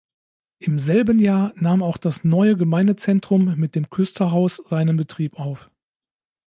Im selben Jahr nahm auch das neue Gemeindezentrum mit dem Küsterhaus seinen Betrieb auf.